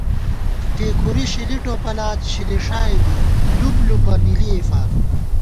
ٹېکُوری شِلی ٹوپَلات شلِݭائےدِی لُپلُپہ نِلِئےفار